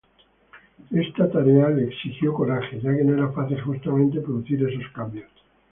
Esta tarea le exigió coraje, ya que no era fácil justamente, producir esos cambios.